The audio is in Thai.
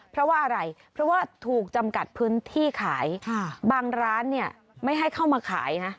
เพราะว่าอะไรเพราะว่าถูกจำกัดพื้นที่ขายบางร้านเนี่ยไม่ให้เข้ามาขายนะ